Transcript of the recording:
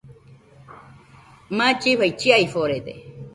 Mallifai chiaforede